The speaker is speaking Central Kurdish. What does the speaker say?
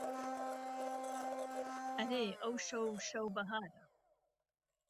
ئهرێ ئهوشهو شهو بههاره